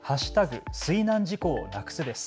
水難事故をなくすです。